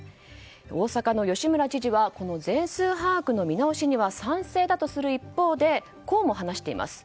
大阪の吉村知事は全数把握の見直しには賛成だとする一方でこうも話しています。